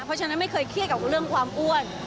เพราะฉะนั้นไม่เคยเครียดกับเรื่องความอ้วน